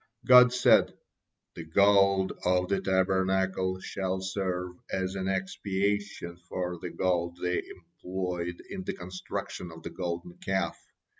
God said: "The gold of the Tabernacle shall serve as an expiation for the gold they employed in the construction of the Golden Calf.